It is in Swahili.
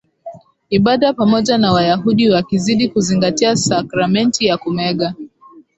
ibada pamoja na Wayahudi wakazidi kuzingatia sakramenti ya Kumega